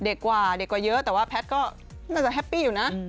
เด็กกว่าเด็กกว่าเยอะแต่ว่าแพทย์ก็น่าจะแฮปปี้อยู่นะ